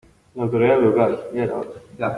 La autoridad local. Ya era hora .